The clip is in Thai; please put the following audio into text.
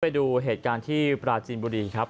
ไปดูเหตุการณ์ที่ปราจีนบุรีครับ